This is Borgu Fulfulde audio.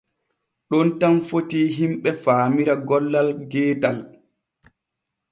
Ɗon tan fitii himɓe faamira gollal geetal.